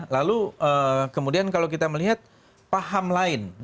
lalu kemudian kalau kita melihat paham lain